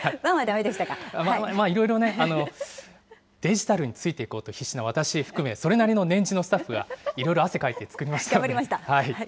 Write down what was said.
いろいろね、デジタルについていこうと必死な私含め、それなりのスタッフが、いろいろ汗かい頑張りました。